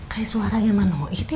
kayak suara yang manohit ya